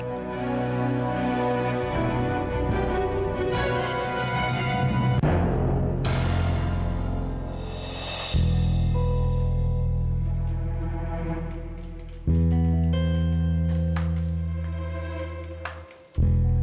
tunggu aku akan curi